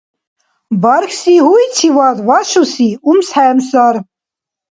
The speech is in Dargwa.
Бархьси гьуйчивад вашуси умсхӀемсар.